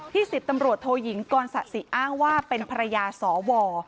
ที่ศิษย์ตำรวจโทยิงกรศสิอ้างว่าเป็นภรรยาสว